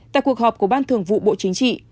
tại cuộc họp của ban thường vụ bộ chính trị